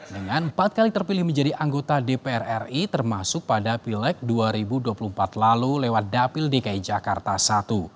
dengan empat kali terpilih menjadi anggota dpr ri termasuk pada pileg dua ribu dua puluh empat lalu lewat dapil dki jakarta i